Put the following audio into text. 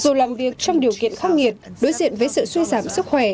dù làm việc trong điều kiện khắc nghiệt đối diện với sự suy giảm sức khỏe